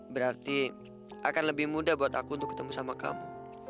berarti akan lebih mudah buat aku untuk ketemu sama kamu